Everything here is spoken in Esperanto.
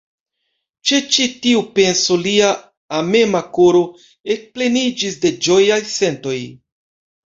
Ĉe ĉi tiu penso lia amema koro ekpleniĝis de ĝojaj sentoj.